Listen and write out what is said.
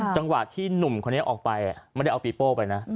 จังหวะที่หนุ่มคนนี้ออกไปไม่ได้เอาปีโป้ไปนะ